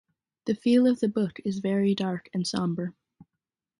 The feel of the book is very dark and somber.